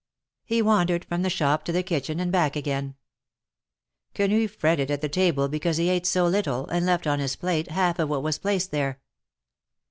He wandered from the shop to the kitchen and back again. Quenu fretted at the table because he ate so little, and left on his plate half of what was placed there.